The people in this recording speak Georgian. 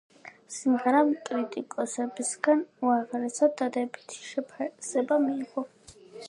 სიმღერამ კრიტიკოსებისგან უაღრესად დადებითი შეფასება მიიღო.